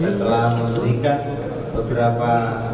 dan telah memberikan beberapa